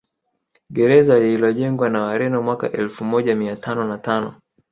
Gereza lililojengwa na Wareno mwaka elfu moja mia tano na tano